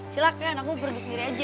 silahkan aku pergi sendiri aja